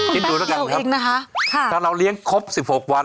กินดูแล้วกันครับเราเลี้ยงครบสิบหกวัน